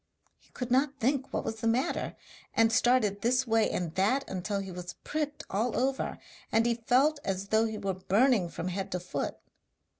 He could not think what was the matter, and started this way and that until he was pricked all over, and he felt as though he were burning from head to foot.